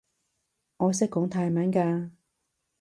我識講泰文㗎